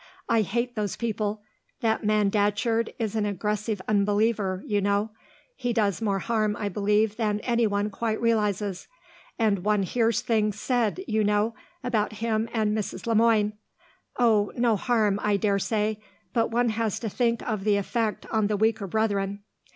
I hate those people; that man Datcherd is an aggressive unbeliever, you know; he does more harm, I believe, than anyone quite realises. And one hears things said, you know, about him and Mrs. Le Moine oh, no harm, I daresay, but one has to think of the effect on the weaker brethren.